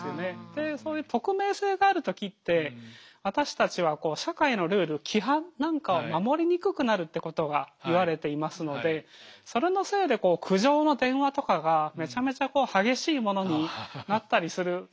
でそういう匿名性があるときって私たちはこう社会のルール規範なんかを守りにくくなるってことが言われていますのでそれのせいで苦情の電話とかがめちゃめちゃこう激しいものになったりする。